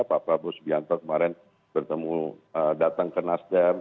pak prabowo subianto kemarin datang ke nasdam